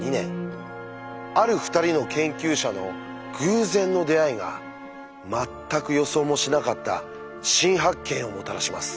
ある２人の研究者の偶然の出会いが全く予想もしなかった新発見をもたらします。